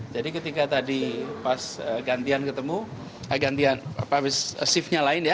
jadi ketika tadi pas gantian ketemu ah gantian apa abis shiftnya lain ya